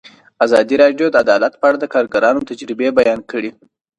ازادي راډیو د عدالت په اړه د کارګرانو تجربې بیان کړي.